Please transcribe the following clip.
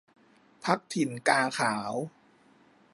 พรรคถิ่นกาขาว